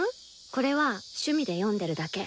これは趣味で読んでるだけ。